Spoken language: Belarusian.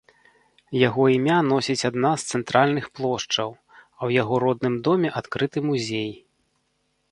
Яго імя носіць адна з цэнтральных плошчаў, а ў яго родным доме адкрыты музей.